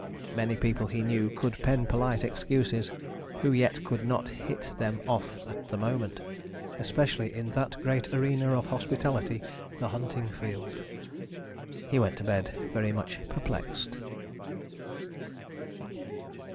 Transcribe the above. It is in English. Many people he knew could pen polite excuses, who yet could not hit them off at the moment, especially in that great arena of hospitality the hunting field. He went to bed very much perplexed.